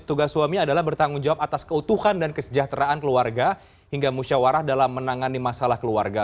tugas suami adalah bertanggung jawab atas keutuhan dan kesejahteraan keluarga hingga musyawarah dalam menangani masalah keluarga